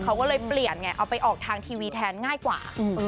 เขาก็เลยเปลี่ยนไงเอาไปออกทางทีวีแทนง่ายกว่า